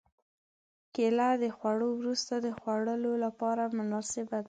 کېله د خوړو وروسته د خوړلو لپاره مناسبه ده.